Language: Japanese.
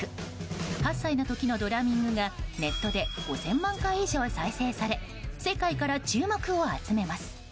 ８歳の時のドラミングがネットで５０００万回以上再生され世界から注目を集めます。